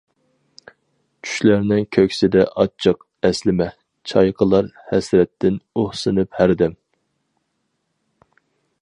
چۈشلەرنىڭ كۆكسىدە ئاچچىق ئەسلىمە، چايقىلار ھەسرەتتىن ئۇھسىنىپ ھەردەم.